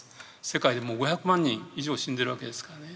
世界でも５００万人以上死んでるわけですからね。